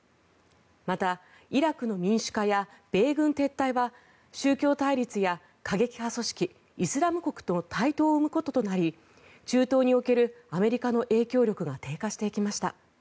また、イラクの民主化や米軍撤退は宗教対立や過激派組織イスラム国の台頭を生むこととなり中東におけるアメリカの影響力が低下していきました。